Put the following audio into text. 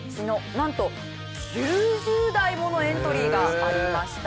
なんと９０台ものエントリーがありました。